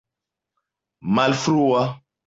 malfrua